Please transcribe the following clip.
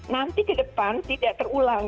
nanti ke depan tidak terulang